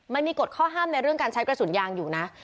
มันมีกฎข้อห้ามในเรื่องการใช้กระสุนยางอยู่นะ